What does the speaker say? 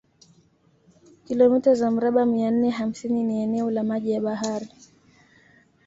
kilomita za mraba mia nne hamsini ni eneo la maji ya bahari